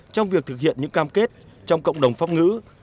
trong việc thực hiện những cam kết trong cộng đồng pháp ngữ